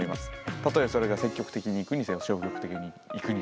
たとえそれが積極的にいくにせよ消極的にいくにせよね。